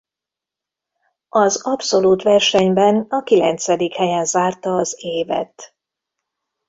Az abszolút versenyben a kilencedik helyen zárta az évet.